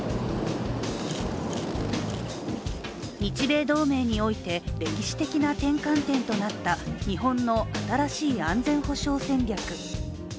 日米同盟において歴史的な転換点となった日本の新しい安全保障戦略。